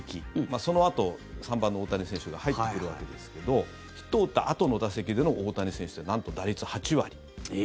そのあと３番の大谷選手が入ってくるわけですけどヒットを打ったあとの打席での大谷選手って、なんと打率８割。